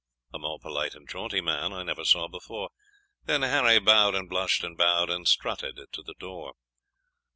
A more polite and jaunty man I never saw before:' Then Harry bowed, and blushed, and bowed, And strutted to the door."